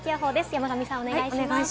山神さん、お願いします。